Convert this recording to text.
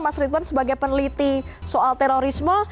mas ridwan sebagai peneliti soal terorisme